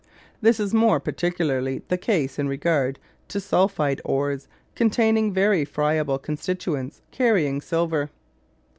This is more particularly the case in regard to sulphide ores containing very friable constituents carrying silver.